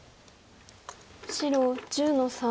白１０の三。